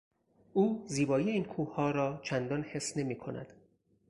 او زیبایی این کوهها را چندان حس نمیکند.